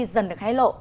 dần được hái lộ